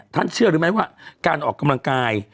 เชื่อหรือไม่ว่าการออกกำลังกาย